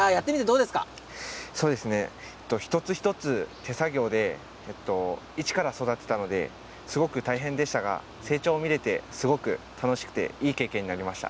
一つ一つ手作業で一から育てたのですごく大変でしたが成長を見ることができて、すごく楽しくていい経験になりました。